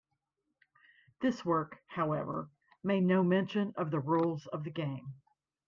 This work, however, made no mention of the rules of the game.